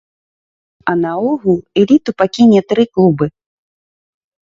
А наогул эліту пакіне тры клубы.